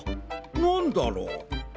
なんだろう？